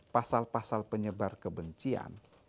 pasal pasal penyebar kebencian